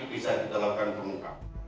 bisa kita lakukan pengungkap